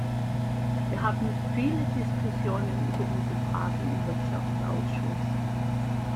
Wir haben viele Diskussionen über diese Fragen im Wirtschaftsausschuss.